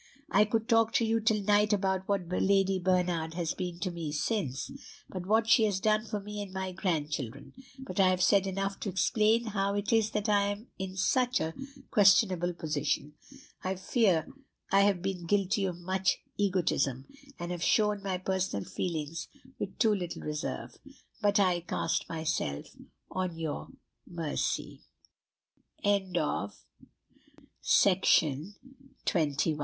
"I could talk to you till night about what Lady Bernard has been to me since, and what she has done for me and my grandchildren; but I have said enough to explain how it is that I am in such a questionable position. I fear I have been guilty of much egotism, and have shown my personal feelings with too little reserve. But I cast myself on your mercy." CHAPTER XX. A REMARKABLE FACT. A silence followed. I need hardly say we had liste